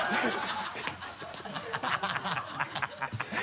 ハハハ